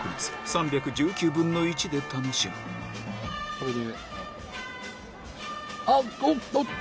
これで。